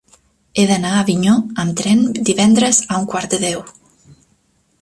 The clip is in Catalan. He d'anar a Avinyó amb tren divendres a un quart de deu.